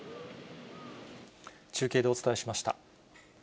中継でお伝えしました。